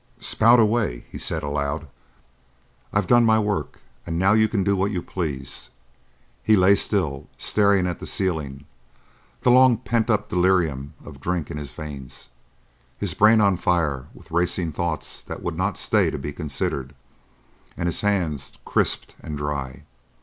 "Spout away," he said aloud. "I've done my work, and now you can do what you please." He lay still, staring at the ceiling, the long pent up delirium of drink in his veins, his brain on fire with racing thoughts that would not stay to be considered, and his hands crisped and dry.